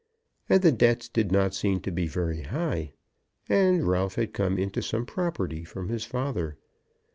And the debts did not seem to be very high; and Ralph had come into some property from his father.